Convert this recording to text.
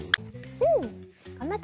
うん！